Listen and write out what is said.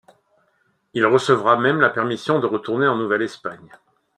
Il recevra même la permission de retourner en Nouvelle-Espagne.